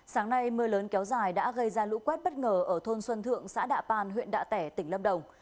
sáng nay mưa lớn kéo dài đã gây ra lũ quét bất ngờ ở thôn xuân thượng xã đạ pan huyện đạ tẻ tỉnh lâm đồng